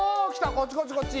こっちこっちこっち。